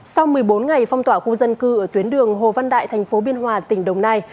sau một mươi bốn ngày phong tỏa khu dân cư ở tuyến đường hồ văn đại thành phố biên hòa tỉnh đồng nai